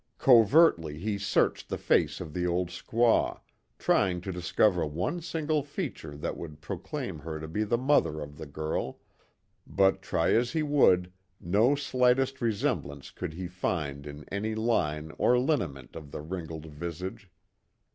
Covertly he searched the face of the old squaw, trying to discover one single feature that would proclaim her to be the mother of the girl, but try as he would, no slightest resemblance could he find in any line or lineament of the wrinkled visage.